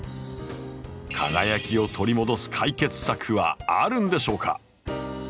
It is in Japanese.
輝きを取り戻す解決策はあるんでしょうか？